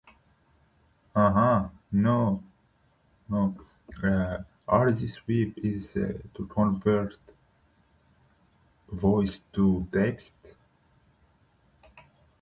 That hairpin turn seems like it would really impede traffic.